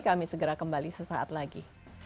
kami segera kembali sesaat lagi